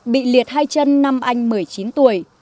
bị liệt hai chân năm anh một mươi chín tuổi